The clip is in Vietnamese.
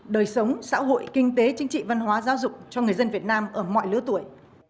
đời sống xã hội kinh tế chính trị văn hóa giáo dục cho người dân việt nam ở mọi lứa tuổi